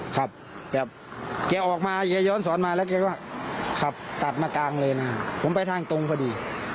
ขับแบบแกออกมาแกย้อนสอนมาแล้วแกก็ขับตัดมากลางเลยนะผมไปทางตรงพอดี